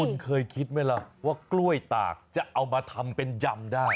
คุณเคยคิดไหมล่ะว่ากล้วยตากจะเอามาทำเป็นยำได้